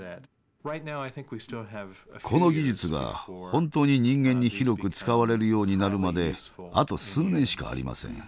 この技術が本当に人間に広く使われるようになるまであと数年しかありません。